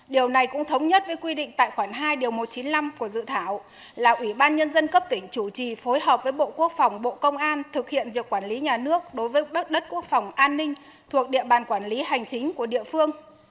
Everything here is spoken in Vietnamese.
điều này cũng thống nhất với quy định tại khoản hai điều một trăm chín mươi năm của dự thảo là ủy ban nhân dân cấp tỉnh chủ trì phối hợp với bộ quốc phòng bộ công an thực hiện việc quản lý nhà nước đối với đất quốc phòng an ninh thuộc địa bàn quản lý hành chính của địa phương